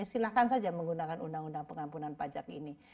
silahkan saja menggunakan undang undang pengampunan pajak ini